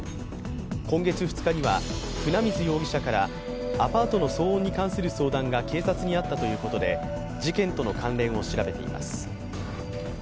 今月２日には、船水容疑者からアパートの騒音に関する相談が警察にあったということで事件との関連を調べています。